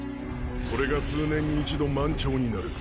それが数年に一度満潮になる。